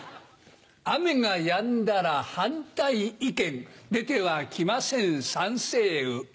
雨がやんだら反対意見出ては来ませんサンセイ雨。